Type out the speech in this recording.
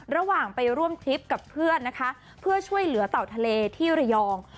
ระหว่างไปร่วมทริปกับเพื่อนนะคะเพื่อช่วยเหลือเต่าทะเลที่ระยอง